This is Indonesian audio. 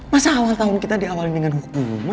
masa awal tahun kita diawali dengan hukum